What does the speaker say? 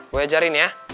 gue ajarin ya